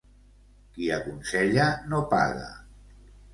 Qui aconsella no paga.